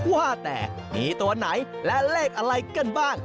ว่าแต่มีตัวไหนและเลขอะไรกันบ้าง